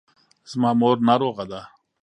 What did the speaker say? زما مور ناروغه ده.